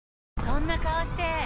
そんな顔して！